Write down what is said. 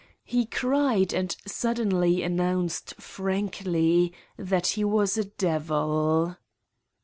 He cried and suddenly announced frankly that he was a devil.